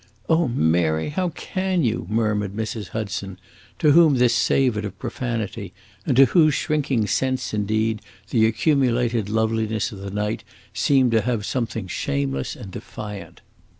"Oh, Mary, how can you!" murmured Mrs. Hudson, to whom this savored of profanity, and to whose shrinking sense, indeed, the accumulated loveliness of the night seemed to have something shameless and defiant.